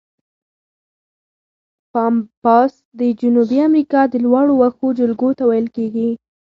پامپاس د جنوبي امریکا د لوړو وښو جلګو ته ویل کیږي.